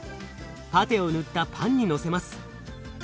パテを塗ったパンにのせます。